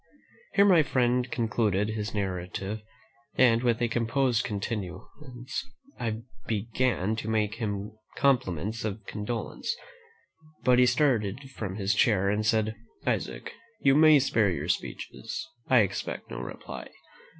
Here my friend concluded his narrative, and, with a composed countenance, I began to make him compliments of condolence; but he started from his chair, and said, "Isaac, you may spare your speeches; I expect no reply.